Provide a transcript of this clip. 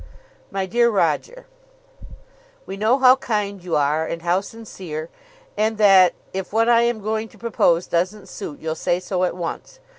MY DEAR ROGER, We know how kind you are and how sincere, and that if what I am going to propose doesn't suit you'll say so at once.